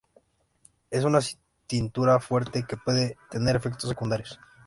Es una tintura fuerte que puede tener efectos secundarios.